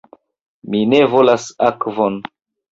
Mi ne volas akvon.